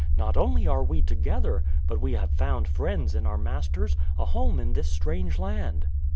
Not only are we together, but we have found friends in our masters, a home in this strange land."